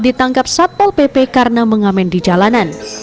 ditangkap satpol pp karena mengamen di jalanan